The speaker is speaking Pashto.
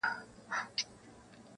اوس بقا د ژوند په دوو ژبو نغښتې,